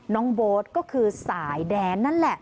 โบ๊ทก็คือสายแดนนั่นแหละ